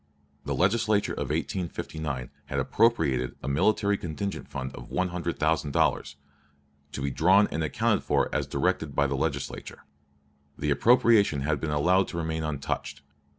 The Legislature of 1859 had appropriated a military contingent fund of one hundred thousand dollars, "to be drawn and accounted for as directed by the Legislature." The appropriation had been allowed to remain untouched.